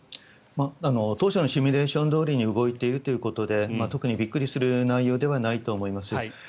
当初のシミュレーションどおりに動いているということで特にびっくりする内容ではないと思います。